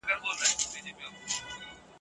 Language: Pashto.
په نارو یو له دنیا له ګاونډیانو ..